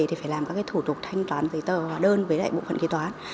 thì phải làm các thủ tục thanh toán giấy tờ hóa đơn với lại bộ phận kế toán